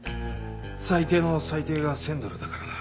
最低の最低が１，０００ドルだからな。